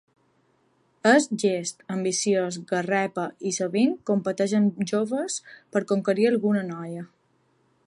És llest, ambiciós garrepa; i sovint competeix amb joves per conquerir alguna noia.